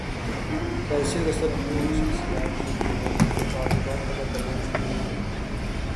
پیسے اور اثر رکھنے والی شخصیات کیلئے خواتین سے تعلقات پیدا کرنا مشکل نہیں ہوتا۔